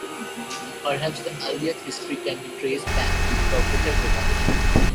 Perhaps the earliest history can be traced back to the cognitive revolution.